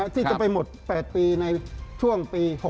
ที่จะไปหมด๘ปีในช่วงปี๖๖